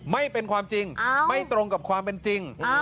ไม่เป็นความจริงไม่ตรงกับความเป็นจริง